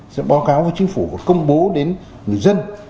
sẽ báo cáo với chính phủ và công bố đến người dân